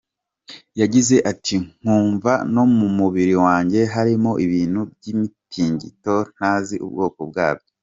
Yagize ati “Nkumva no mu mubiri wanjye harimo ibintu by’imitingito ntazi ubwoko bwabyo.